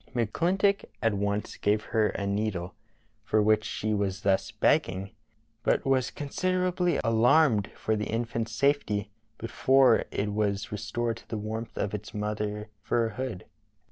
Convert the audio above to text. " McClin tock at once gave her a needle, for which she was thus begging, but was considerably alarmed for the infant's safety before it was restored to the warmth of its mother's fur hood.